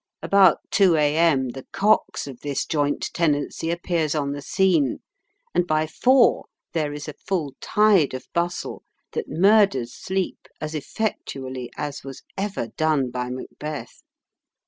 About 2 a.m. the Cox of this joint tenancy appears on the scene, and by four there is a full tide of bustle that murders sleep as effectually as was ever done by Macbeth.